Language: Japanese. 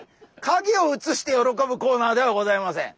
かげをうつして喜ぶコーナーではございません。